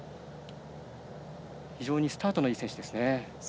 非常にスタートのいい選手です。